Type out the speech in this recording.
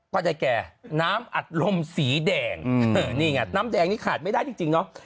ก็ได้แก่น้ำอัดลมสีแดงนี่ไงน้ำแดงนี่ขาดไม่ได้จริงเนาะ